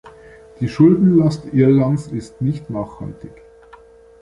Die Schuldenlast Irlands ist nicht nachhaltig.